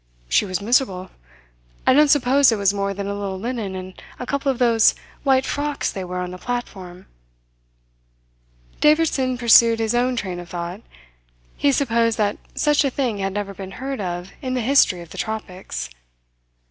She was miserable. I don't suppose it was more than a little linen and a couple of those white frocks they wear on the platform." Davidson pursued his own train of thought. He supposed that such a thing had never been heard of in the history of the tropics.